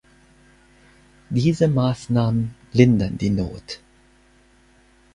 Diese Maßnahmen lindern die Not.